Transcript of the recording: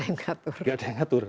nggak ada yang ngatur